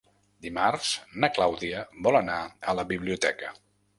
Dimarts na Clàudia vol anar a la biblioteca.